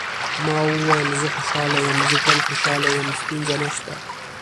ما وویل: زه خوشاله یم، زه تل خوشاله یم، ستونزه نشته.